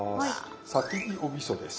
先におみそです。